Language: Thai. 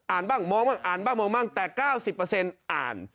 บ้างมองบ้างอ่านบ้างมองบ้างแต่๙๐อ่าน